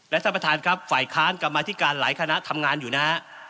ท่านประธานครับฝ่ายค้านกรรมาธิการหลายคณะทำงานอยู่นะฮะ